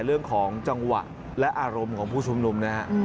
เรื่องของจังหวะและอารมณ์ของผู้ชุมนุมนะฮะ